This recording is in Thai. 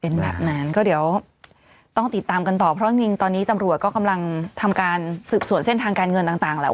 เป็นแบบนั้นก็เดี๋ยวต้องติดตามกันต่อเพราะจริงตอนนี้ตำรวจก็กำลังทำการสืบสวนเส้นทางการเงินต่างแหละ